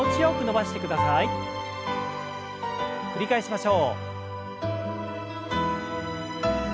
繰り返しましょう。